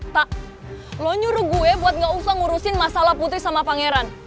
tak lo nyuruh gue buat gak usah ngurusin masalah putri sama pangeran